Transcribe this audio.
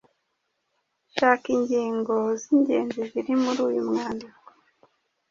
Shaka ingingo z’ingenzi ziri muri uyu mwandiko.